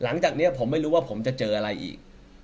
หลังจากนี้ผมไม่รู้ว่าผมจะเจออะไรอีก